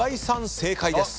正解です。